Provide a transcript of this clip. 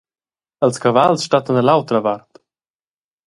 Ils cavals stattan da l’autra vart.